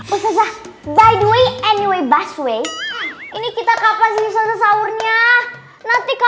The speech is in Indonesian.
ustazah by the way anyway baswe ini kita kapasin usat usat sahurnya nanti kalau misalnya kita ke rumah sakit ya kita akan ke rumah sakit ya pak d